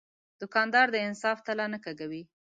دوکاندار د انصاف تله نه کږوي.